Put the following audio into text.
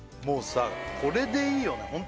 もうさこれでいいよね